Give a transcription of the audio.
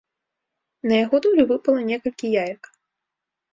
На яго долю выпала некалькі яек.